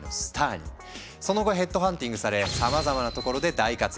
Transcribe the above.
その後ヘッドハンティングされさまざまなところで大活躍。